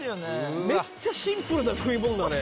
めっちゃシンプルな食いもんだね。